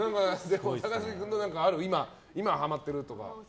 高杉君は今ハマってるとかある？